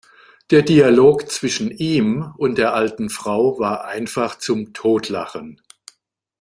Der Dialog zwischen ihm und der alten Frau war einfach zum Totlachen!